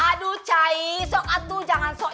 aduh cai sok atu jangan sok